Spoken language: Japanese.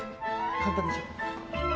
簡単でしょ？